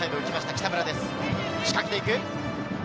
仕掛けていく！